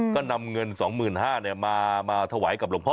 ก็นำเงิน๒๕๐๐บาทมาถวายกับหลวงพ่อ